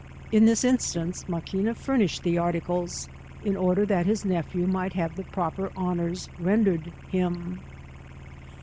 In this in stance Maquina furnished the articles, in order that his nephew might have the proper honours ren dered him.